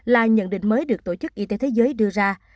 là nhận định mới được tổ chức y tế thế giới đưa ra